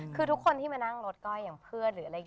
คือทุกคนที่มานั่งรถก้อยอย่างเพื่อน